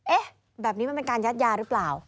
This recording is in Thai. เอ๊ะแบบนี้มันเป็นการยัดยาหรือเปล่า